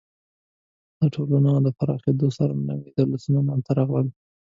د ټولنو له پراخېدو سره نوي دولتونه منځ ته راغلل.